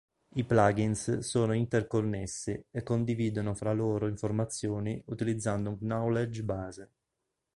I plug-ins sono interconnessi e condividono fra loro informazioni utilizzando un knowledge base.